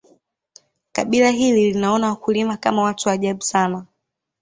kabila hili linawaona wakulima Kama watu ajabu sana